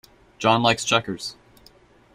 John likes checkers.